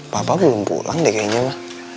papa belum pulang deh kayaknya pak